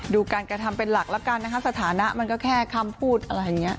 การกระทำเป็นหลักแล้วกันนะคะสถานะมันก็แค่คำพูดอะไรอย่างนี้